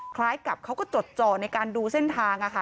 คล้ายกับเขาก็จดจ่อในการดูเส้นทาง